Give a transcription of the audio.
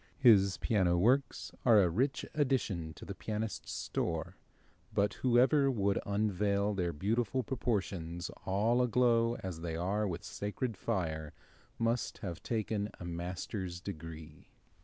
His piano works are a rich addition to the pianist's store, but whoever would unveil their beautiful proportions, all aglow as they are with sacred fire, must have taken a master's degree.